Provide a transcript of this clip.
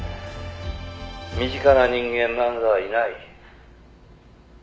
身近な人間なんぞはいない」